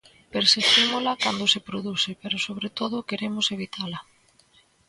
Perseguímola cando se produce, pero sobre todo queremos evitala.